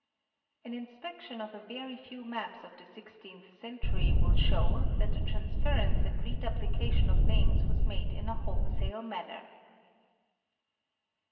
An in spection of a.very few maps of the sixteenth century will show that the transference and reduplication of names was made in a wholesale manner.